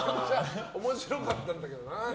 面白かったんだけどな。